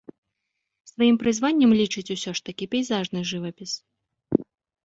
Сваім прызваннем лічыць усё ж такі пейзажны жывапіс.